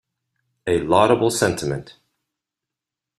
A laudable sentiment.